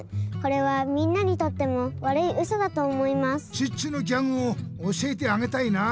チッチのギャグを教えてあげたいな！